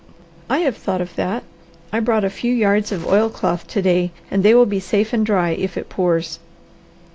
"I have thought of that. I brought a few yards of oilcloth to day and they will be safe and dry if it pours."